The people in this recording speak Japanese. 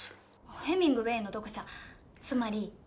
ヘミングウェイの読者つまりファンって事。